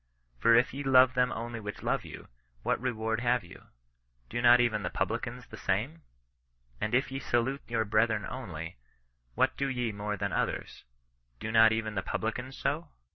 For if ye love them (only) which love you, what reward have you ? Do not even the publicans the same ? And if ye salute your brethren only, what do ye more than others ? Do not even the publicans so